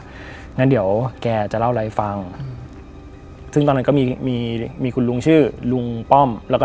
งั้นเดี๋ยวแกจะเล่าอะไรฟังซึ่งตอนนั้นก็มีมีคุณลุงชื่อลุงป้อมแล้วก็